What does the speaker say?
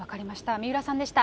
三浦さんでした。